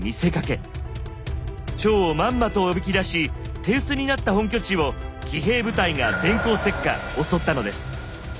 趙をまんまとおびき出し手薄になった本拠地を騎兵部隊が電光石火襲ったのです。